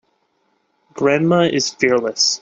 Grandma is fearless.